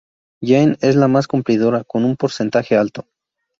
Jaén es la más cumplidora con un porcentaje alto